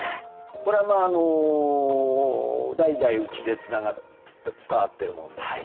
これはまああの代々うちで伝わってるものですけどね。